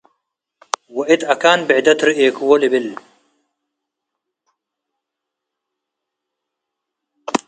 ወእት አካን ብዕደት ርኤክዎ ልብል ።